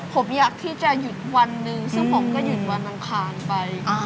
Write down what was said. ผมอยากที่จะหยุดวันหนึ่งซึ่งผมก็หยุดวันอังคารไป